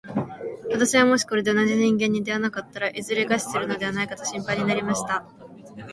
私はもしこれで同じ人間に出会わなかったら、いずれ餓死するのではないかと心配になりました。